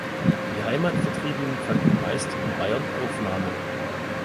Die Heimatvertriebenen fanden meist in Bayern Aufnahme.